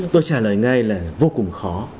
tôi trả lời ngay là vô cùng khó